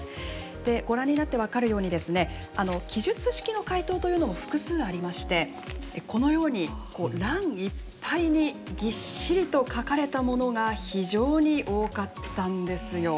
でご覧になって分かるようにですね記述式の回答というのも複数ありましてこのように欄いっぱいにぎっしりと書かれたものが非常に多かったんですよ。